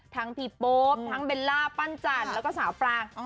ทั้งพี่โป๊บทั้งเบลล่าปั้นจันและสาวปราก